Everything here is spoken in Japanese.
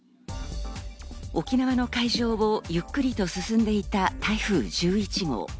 沖縄の海上をゆっくりと進んでいた台風１１号。